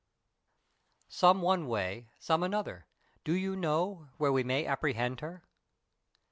Some one way, some another Do you know Where we may apprehend her?